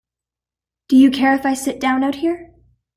Do you care if I sit down out here?